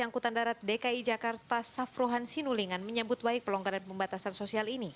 angkutan darat dki jakarta safrohan sinulingan menyambut baik pelonggaran pembatasan sosial ini